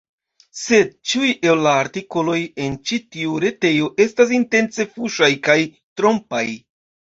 Sed, ĉiuj el la artikoloj en ĉi tiu retejo estas intence fuŝaj kaj trompaj.